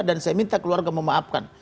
dan saya minta keluarga memaafkan